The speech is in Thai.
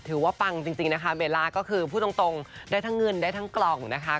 ปังจริงนะคะเบลล่าก็คือพูดตรงได้ทั้งเงินได้ทั้งกล่องนะคะ